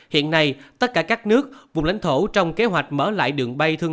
hiện nay tất cả các nước vùng lãnh thổ trong kế hoạch mở lại đường bay thương